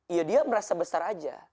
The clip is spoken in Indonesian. ya dia merasa besar aja